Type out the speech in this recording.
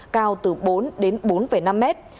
cao từ bốn đến bốn năm mét